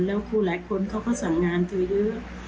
แล้วครูหลายคนเขาก็สั่งงานเธอเยอะ